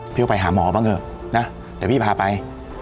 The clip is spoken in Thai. พี่ก็ไปหาหมอบ้างเถอะนะเดี๋ยวพี่พาไป